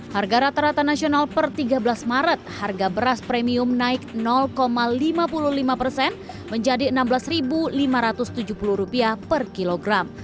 harga rata rata nasional per tiga belas maret harga beras premium naik lima puluh lima persen menjadi rp enam belas lima ratus tujuh puluh per kilogram